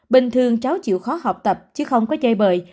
bình thường cháu chịu khó học tập chứ không có dây bời